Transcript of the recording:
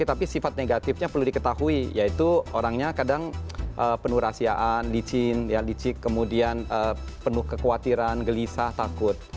tapi sifat negatifnya perlu diketahui yaitu orangnya kadang penuh rahasiaan licin licik kemudian penuh kekhawatiran gelisah takut